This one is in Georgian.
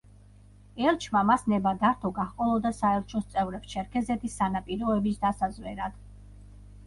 ელჩმა მას ნება დართო გაჰყოლოდა საელჩოს წევრებს ჩერქეზეთის სანაპიროების დასაზვერად.